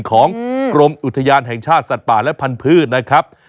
ของกรมอุทยานแห่งชาติสัตว์ป่าและพันธุ์นะครับ